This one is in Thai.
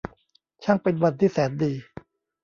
ช่างเป็นวันที่แสนดี !